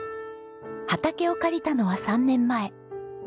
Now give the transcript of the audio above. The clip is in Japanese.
畑を借りたのは３年前。